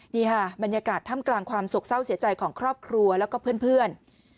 นี่ค่ะบรรยากาศท่ามกลางความโศกเศร้าเสียใจของครอบครัวแล้วก็เพื่อน